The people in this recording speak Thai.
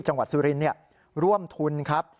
จังหวัดสุรินฯร่วมทุนครับ